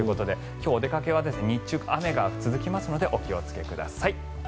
今日お出かけは日中、雨が続きますのでお気をつけください。